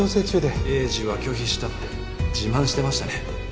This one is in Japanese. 栄治は拒否したって自慢してましたね